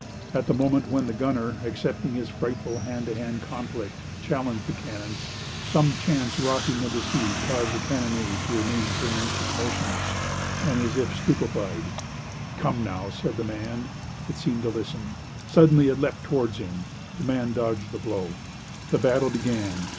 At the moment when the gunner, accepting this frightful hand to hand conflict, challenged the cannon, some chance rocking of the sea caused the carronade to remain for an instant motionless and as if stupefied. "Come, now!" said the man. It seemed to listen. Suddenly it leaped towards him. The man dodged the blow. The battle began.